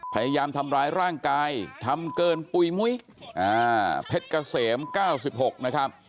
พยายามทำร้ายร่างกายทำเกินปุ๋ยมุ้ยเพชรเกษม๙๖นะครับ